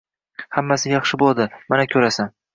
Hammasi yaxshi bo`ladi, mana ko`rasan